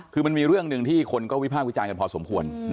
คือมันมีเรื่องหนึ่งที่คนก็วิพากษ์วิจารณ์กันพอสมควร